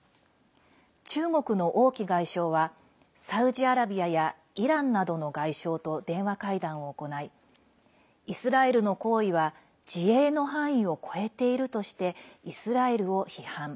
中国の王毅外相はサウジアラビアやイランなどの外相と電話会談を行いイスラエルの行為は自衛の範囲を超えているとしてイスラエルを批判。